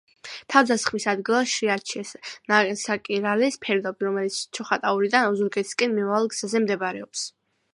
თავდასხმის ადგილად შეარჩიეს ნასაკირალის ფერდობი, რომელიც ჩოხატაურიდან ოზურგეთისკენ მიმავალ გზაზე მდებარეობს.